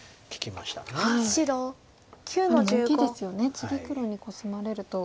次黒にコスまれると。